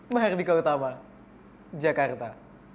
mahardika utama jakarta